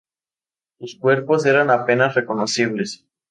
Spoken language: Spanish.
Sus cuerpos eran apenas reconocibles.